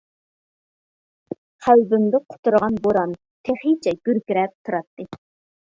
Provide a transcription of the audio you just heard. قەلبىمدە قۇترىغان بوران تېخىچە گۈركىرەپ تۇراتتى.